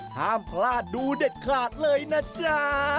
ห้ามพลาดดูเด็ดขาดเลยนะจ๊ะ